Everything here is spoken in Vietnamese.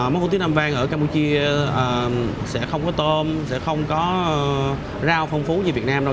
món hủ tiếu nam vàng ở campuchia sẽ không có tôm sẽ không có rau phong phú như việt nam đâu